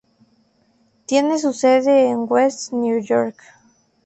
Tiene su sede en West New York.